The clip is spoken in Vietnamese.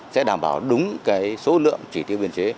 sẽ đảm bảo đúng cái số lượng chỉ tiêu biên chế